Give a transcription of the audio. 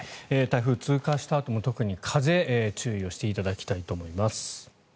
台風、通過したあとも特に風に注意していただきたいと思います。